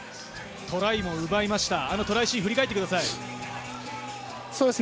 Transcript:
トライも奪いました、トライシーンを振り返ってください。